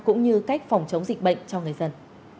cũng như cách phòng chống dịch bệnh cho người dân